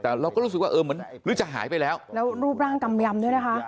แต่เราก็รู้สึกว่าเออเหมือนหรือจะหายไปแล้วแล้วรูปร่างกำยำด้วยนะคะ